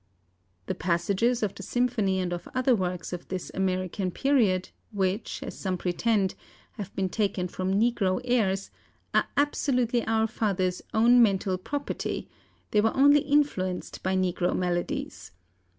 the passages of the symphony and of other works of this American period, which, as some pretend, have been taken from negro airs, are absolutely our father's own mental property; they were only influenced by negro melodies.